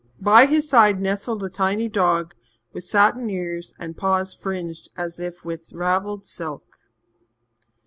By his side nestled a tiny dog, with satin ears and paws fringed as with ravelled silk.